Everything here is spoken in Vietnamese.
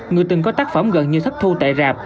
người từng có tác phẩm gần như sắc thu tại rạp